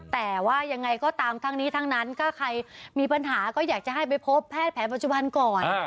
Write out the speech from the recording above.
แต่ว่ายังไงก็ตามทั้งนี้ทั้งนั้นถ้าใครมีปัญหาก็อยากจะให้ไปพบแพทย์แผนปัจจุบันก่อน